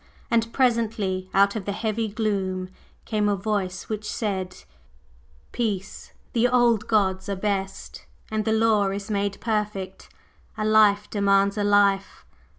And presently, out of the heavy gloom came a Voice which said: "Peace! The old gods are best, and the law is made perfect. A life demands a life.